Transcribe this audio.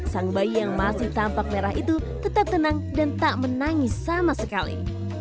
sang bayi yang masih tampak merah itu tetap tenang dan tak menangis sama sekali